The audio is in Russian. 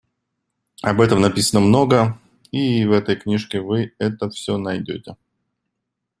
Об этом написано много, и в этой книжке вы это всё найдёте.